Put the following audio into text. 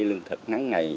lương thực ngắn ngày